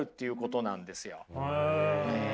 へえ。